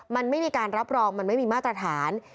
มันไม่มีการรับรองมันไม่มีมาตรฐาน